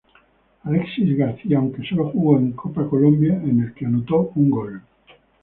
Alexis García aunque solo jugó en Copa Colombia en el que anotó un gol.